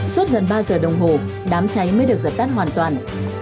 suốt gần ba giờ đồng hồ đám cháy mới được dập tắt hoàn toàn